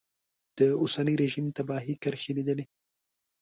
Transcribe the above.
د اوسني رژیم تباهي کرښې لیدلې.